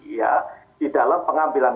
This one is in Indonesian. ya di dalam pengambilan